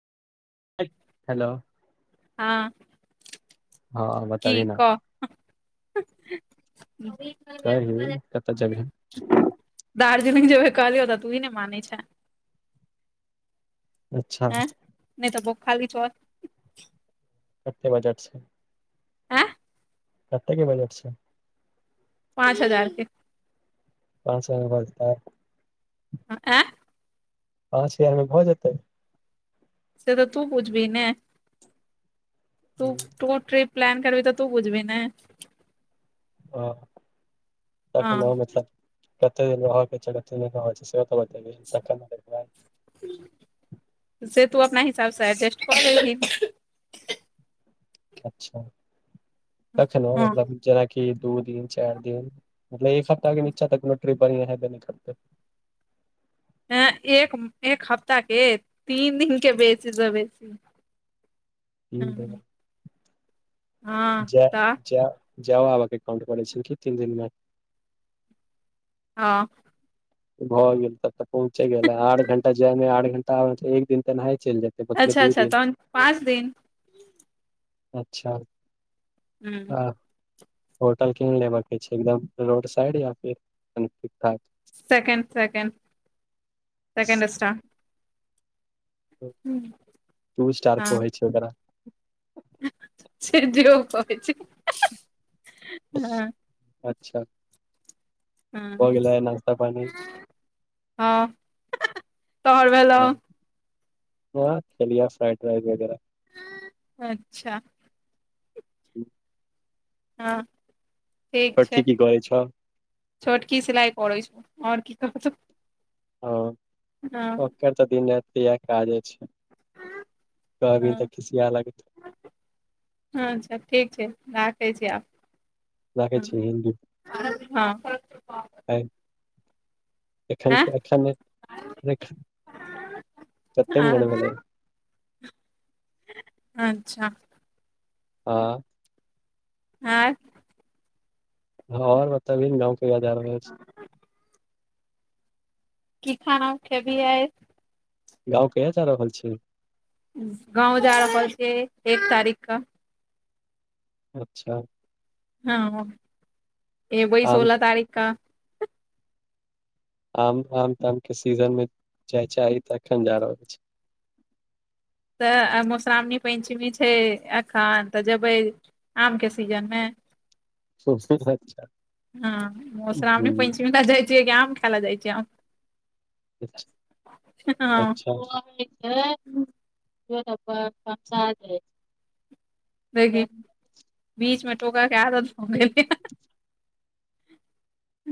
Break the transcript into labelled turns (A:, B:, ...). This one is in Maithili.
A: हेलो
B: हँ
A: हँ
B: की
A: बताबी न
B: कह
A: कर ह कतऽ जगहै [unintelligible]
B: दार्जलिंग जेै कहलौ त तू ई ने मने छै
A: अच्छा
B: हँ नहि तऽ भु खाली छो
A: कते बजटसँ
B: आँ
A: कतेक के बजट छै
B: पाँच हजार के
A: और सब बताउ
B: आ
A: पाँच हजारमे भऽ जेतै
B: से तऽ तू बुछबी ने तू तू ट्रीप प्लान करभी तऽ तू बुझबी ने
A: ह
B: हँ
A: तखनो मतलब कते दिन रहय के छै कते रह छै और बतबियौ तखनि हमर
B: से तू अपना हिसाबसँ अर्जेस्ट क लेलहीं
A: अचछा तखनो
B: हँ
A: मतलब जेनाकि दू दिन चारि दिन मतलब एक हफ्ताह के नीचा तक को ट्रिप आ यहै ते नहि करते
B: ह एक एक हफ्ता के तीन दिन के बेसी से बेसी
A: क त
B: हँ
A: जा
B: तऽ
A: जाय जाउ आब के एकाउंट बोले छै क तीन दिन मे
B: हँ
A: भऽ गेल तब तऽ पहुँचे गेला आठ घंटा जाय मे आठ घंटा आवय में एक दिन त एनाहि चलि जते
B: अच्छा अच्छा तहन पाँच दिन
A: अच्छा
B: हूँ
A: हँ होटल केहेन लेब के छै एकदम रोड साइड या फिर कनि ठीक ठाक
B: second second second
A: two star कहै छै ओकरा
B: से जे ओ कहै छै हँ हँ ह
A: अच्छा भ
B: हँ
A: गेलै नास्ता पानि
B: हँ तोहर भेलौ
A: हँ खलिया फ्राइड रास वगैरह
B: अच्छा हँ ठीक छै
A: छोटकी की करै छौ
B: छोटकी सिलाइ करै छौ और की करतौ
A: ओ ओकर तऽ दिन रति एहै काजे छै कहभी
B: हँ
A: तऽ खिसीया लगतौ
B: अच्छा ठीक छै राखै छी आब
A: राखै
B: हँ
A: छी हिन्दू ह एखन
B: हँ
A: के एखन नै रैख कते मिनट भेलै
B: अच्छा
A: हँ
B: आँ
A: हँ और बतबियौ ने गाँव के याद आबि रहल छै
B: की खाना खेबही आई
A: गाँव कहिया जा रहल छी
B: गाँव जा रहल छियै एक तारीख कऽ
A: अच्छा
B: हँ एवय
A: आम
B: सोलह तारीख क
A: आम आम ताम के सीजन मे जाय चाही त अखन जा रहल छै
B: तऽ आ मधुश्रावणी पंचमी छै एखन तऽ जेबै आम के सीजन में
A: अच्छा
B: हँ मधुश्रावणी
A: ह
B: पंचमी ल जाइ छियै कि आम खाय ल जाइ छियै क्या
A: अच्छा त कसथ रह
B: देखि बीच मे टोक के आदत भ गेलैया